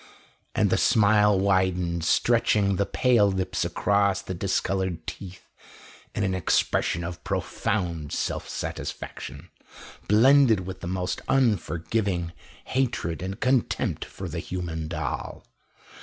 And the smile widened, stretching the pale lips across the discoloured teeth in an expression of profound self satisfaction, blended with the most unforgiving hatred and contempt for the human doll.